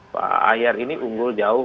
pak ahyar ini unggul jauh